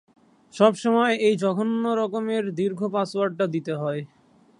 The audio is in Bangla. সব সময় এই জঘন্য রকমের দীর্ঘ পাসওয়ার্ডটা দিতে হয়।